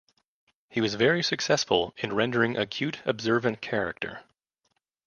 He was very successful in rendering acute observant character.